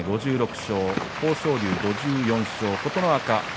５６勝豊昇龍、５４勝琴ノ若